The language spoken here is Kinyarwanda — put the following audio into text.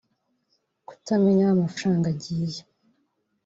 Kutamenya aho amafaranga agiye